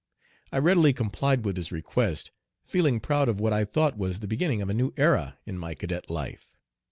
I readily complied with his request, feeling proud of what I thought was the beginning of a new era in my cadet life.